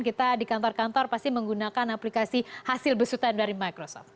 kita di kantor kantor pasti menggunakan aplikasi hasil besutan dari microsoft